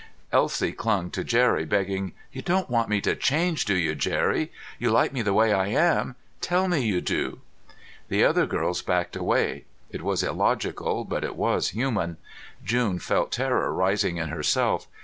Elsie clung to Jerry, begging, "You don't want me to change, do you, Jerry? You like me the way I am! Tell me you do!" The other girls backed away. It was illogical, but it was human. June felt terror rising in herself.